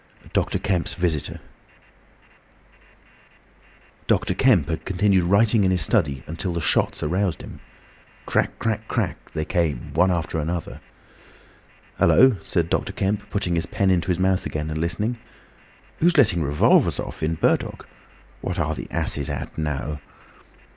DR. KEMP'S VISITOR Dr. Kemp had continued writing in his study until the shots aroused him. Crack, crack, crack, they came one after the other. "Hullo!" said Dr. Kemp, putting his pen into his mouth again and listening. "Who's letting off revolvers in Burdock? What are the asses at now?"